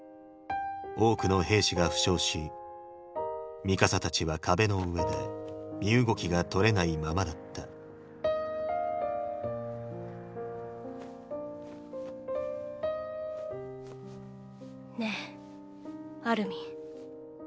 多くの兵士が負傷しミカサたちは壁の上で身動きがとれないままだったねぇアルミン。